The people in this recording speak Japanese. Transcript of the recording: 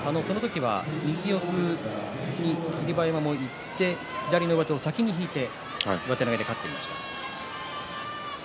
右四つ、霧馬山もいって左の上手を先に引いて上手投げで勝ちました。